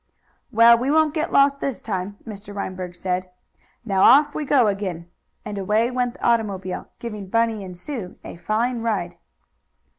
"Well, we won't get lost this time," Mr. Reinberg said. "Now off we go again," and away went the automobile, giving Bunny and Sue a fine ride.